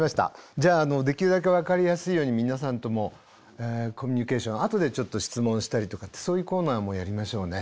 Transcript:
じゃあできるだけ分かりやすいように皆さんともコミュニケーション後でちょっと質問したりとかってそういうコーナーもやりましょうね。